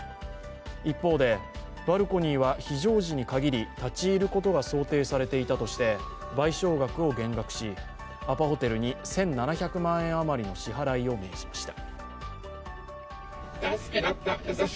一方で、バルコニーは非常時に限り立ち入ることが想定されていたとして、賠償額を減額しアパホテルに１７００万円余りの支払いを命じました。